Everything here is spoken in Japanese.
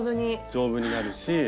丈夫になるし。